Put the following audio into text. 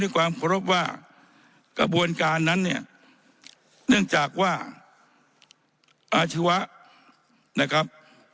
การนั้นเนี่ยเนื่องจากว่าอาชีวะนะครับ